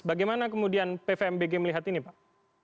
bagaimana kemudian pvmbg melihat ini pak